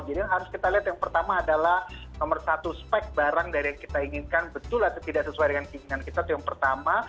jadi harus kita lihat yang pertama adalah nomor satu spek barang dari yang kita inginkan betul atau tidak sesuai dengan keinginan kita itu yang pertama